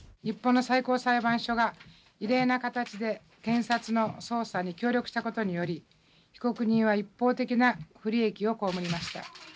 日本の最高裁判所が異例な形で検察の捜査に協力した事により被告人は一方的な不利益を被りました。